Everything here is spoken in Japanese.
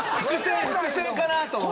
伏線かなと思って。